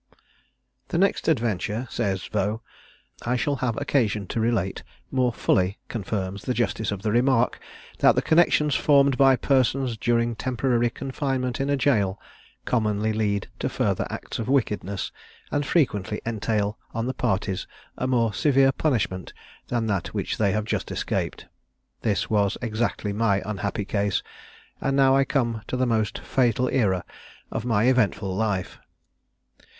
"The next adventure," says Vaux, "I shall have occasion to relate, more fully confirms the justice of the remark, that the connexions formed by persons during temporary confinement in a gaol commonly lead to further acts of wickedness, and frequently entail on the parties a more severe [Illustration: The Flash Ken. P. 486] punishment than that which they have just escaped. This was exactly my unhappy case, and I now come to the most fatal era of my eventful life.